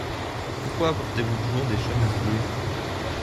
Pourquoi portez-vous toujours des chemises bleues ?